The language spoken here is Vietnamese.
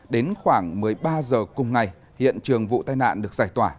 đến khoảng một mươi ba h cùng ngày hiện trường vụ tai nạn được giải tỏa